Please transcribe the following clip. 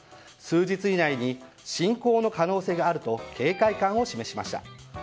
数日以内に侵攻の可能性があると警戒感を示しました。